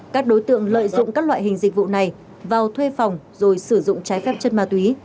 các đối tượng lợi dụng các loại hình dịch vụ này vào thuê phòng rồi sử dụng trái phép chất ma túy